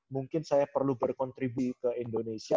mungkin saya perlu berkontribusi ke indonesia